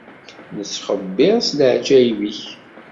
Nettxebbir s leɛǧayeb-ik.